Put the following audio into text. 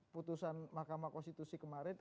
putusan mahkamah konstitusi kemarin